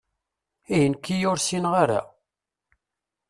Ihi nekki ur ssineɣ ara?